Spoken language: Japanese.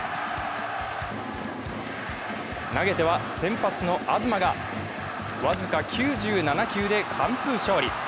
投げては先発の東が僅か９７球で完封勝利。